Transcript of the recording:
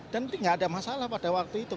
dan tidak ada masalah pada waktu itu